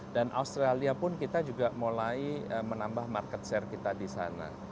dan australia pun kita juga mulai menambah market share kita di sana